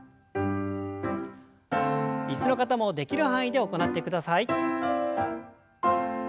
椅子の方もできる範囲で行ってください。